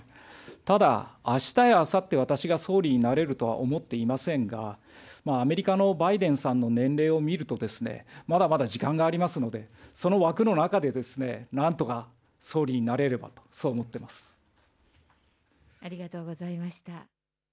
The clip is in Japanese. ただ、あしたやあさって、私が総理になれるとは思っていませんが、アメリカのバイデンさんの年齢を見ると、まだまだ時間がありますので、その枠の中でなんとか総理ありがとうございました。